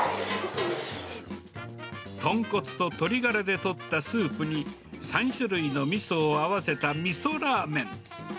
豚骨と鶏ガラで取ったスープに、３種類のみそを合わせたみそラーメン。